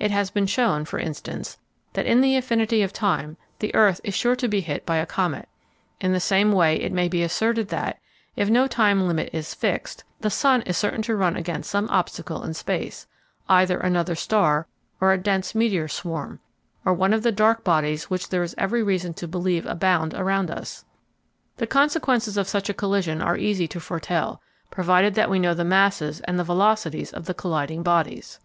It has been shown, for instance, that in infinity of time the earth is sure to be hit by a comet; in the same way it may be asserted that, if no time limit is fixed, the sun is certain to run against some obstacle in space, either another star, or a dense meteor swarm, or one of the dark bodies which there is every reason to believe abound around us. The consequences of such a collision are easy to foretell, provided that we know the masses and the velocities of the colliding bodies.